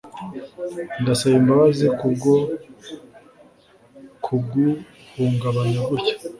ndasaba imbabazi kubwo kuguhungabanya gutya